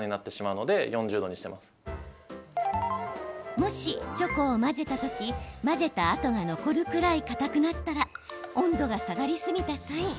もし、チョコを混ぜた時混ぜた跡が残るくらいかたくなったら温度が下がりすぎたサイン。